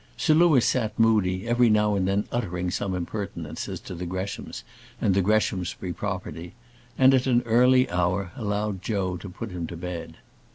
Sir Louis sat moody, every now and then uttering some impertinence as to the Greshams and the Greshamsbury property, and, at an early hour, allowed Joe to put him to bed.